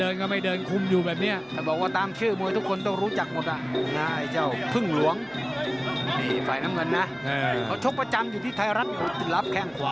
ยกขยับยกครับ